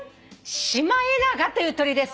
「シマエナガという鳥です」